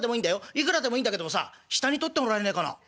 いくらでもいいんだけどもさ下に取ってもらえねえかな？」。